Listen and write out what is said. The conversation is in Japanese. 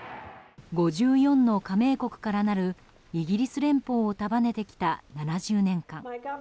５４の加盟国からなるイギリス連邦を束ねてきた７０年間。